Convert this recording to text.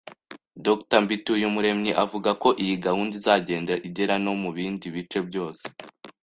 Dr Mbituyumuremyi avuga ko iyi gahunda izagenda igera no mu bindi bice byose